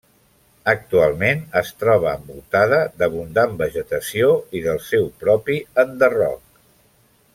Actualment es troba envoltada d'abundant vegetació i del seu propi enderroc.